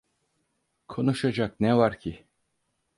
Konuşacak ne var ki?